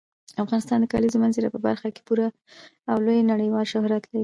افغانستان د کلیزو منظره په برخه کې پوره او لوی نړیوال شهرت لري.